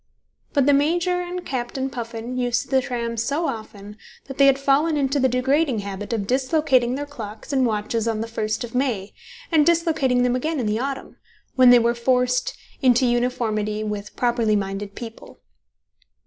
But the Major and Captain Puffin used the tram so often, that they had fallen into the degrading habit of dislocating their clocks and watches on the first of May, and dislocating them again in the autumn, when they were forced into uniformity with properly minded people.